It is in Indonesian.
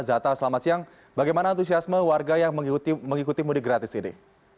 zata selamat siang bagaimana antusiasme warga yang mengikuti mudik gratis ini